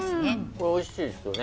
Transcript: これおいしいですよね。